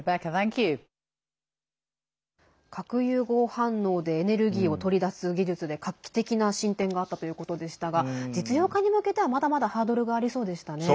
核融合反応でエネルギーを取り出す技術で画期的な進展があったということでしたが実用化に向けては、まだまだハードルがありそうでしたね。